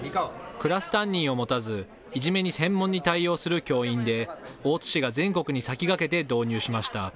クラス担任を持たず、いじめに専門に対応する教員で、大津市が全国に先駆けて導入しました。